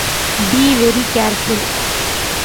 Be very careful.